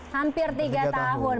hampir tiga tahun